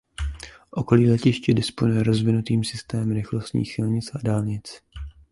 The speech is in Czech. Okolí letiště disponuje rozvinutým systémem rychlostních silnic a dálnic.